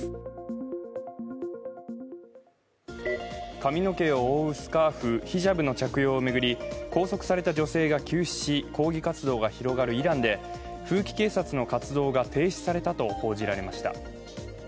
髪の毛を覆うスカーフヒジャブの着用を巡り拘束された女性が急死し抗議活動が広がるイランで風紀警察の活動が停止されたと報じられました。